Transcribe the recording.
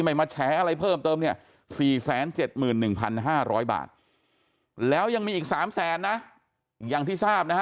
มาแฉอะไรเพิ่มเติมเนี่ย๔๗๑๕๐๐บาทแล้วยังมีอีก๓แสนนะอย่างที่ทราบนะฮะ